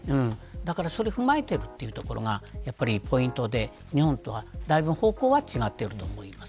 それを踏まえているというところがポイントで日本とは、だいぶ方向は違っていると思います。